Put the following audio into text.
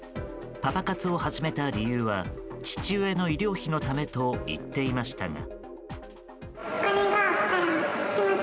パパ活を始めた理由は父親の医療費のためと言っていましたが。